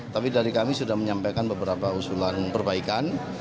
tapi dari kami sudah menyampaikan beberapa usulan perbaikan